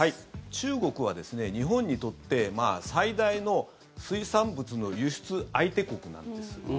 中国は日本にとって最大の水産物の輸出相手国なんです。